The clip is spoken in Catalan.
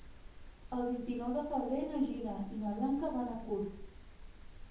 El vint-i-nou de febrer na Gina i na Blanca van a Gurb.